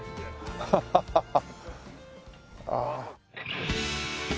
ハハハハ。